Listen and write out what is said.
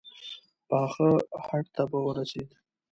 پاخه هډ ته به ورسېد.